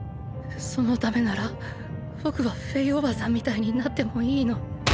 そのためなら僕はフェイおばさんみたいになってもいいの？